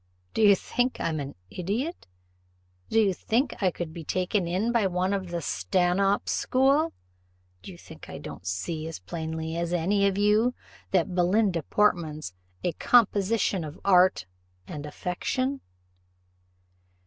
Do you think I'm an idiot? do you think I could be taken in by one of the Stanhope school? Do you think I don't see as plainly as any of you that Belinda Portman's a composition of art and affectation?"